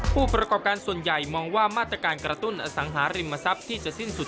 ผู้ประกอบการส่วนใหญ่มองว่ามาตรการกระตุ้นอสังหาริมทรัพย์ที่จะสิ้นสุด